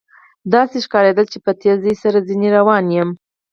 داسې ښکارېدل چې په تېزۍ سره ځنې روان یم.